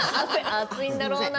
暑いんだろうな。